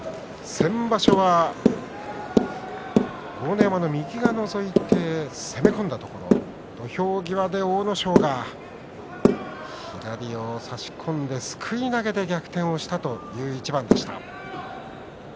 先場所、豪ノ山の右がのぞいて攻め込んだところ土俵際で阿武咲が左を差し込んですくい投げで逆転したという一番でした。